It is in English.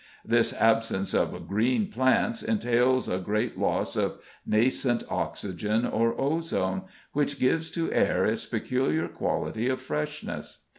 This absence of green plants entails a great loss of nascent oxygen or ozone, which gives to air its peculiar quality of freshness.